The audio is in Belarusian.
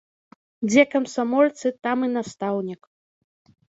Дзе камсамольцы, там і настаўнік.